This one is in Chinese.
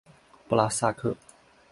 布拉萨克。